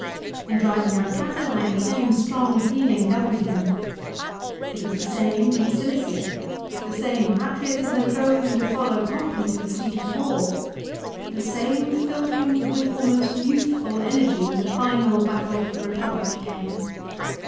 In driving out Catiline the same strong feeling governed him. It was the same in Cilicia. The same patriotism drove him to follow Pompey to the seat of war. The same 400 LIFE OF CICERO. filled him with almost youthful energy when the final battle for the Eepublic came.